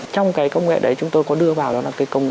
trong cái công nghệ đấy chúng tôi có đưa vào đó là cái công nghệ